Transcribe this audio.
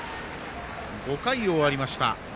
５回終わりました。